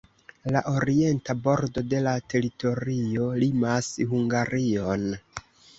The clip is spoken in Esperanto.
La orienta bordo de la teritorio limas Hungarion.